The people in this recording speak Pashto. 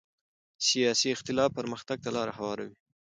سیاسي اختلاف پرمختګ ته لاره هواروي